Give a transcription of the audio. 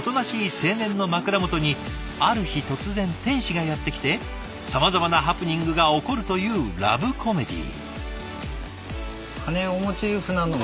青年の枕元にある日突然天使がやって来てさまざまなハプニングが起こるというラブコメディー。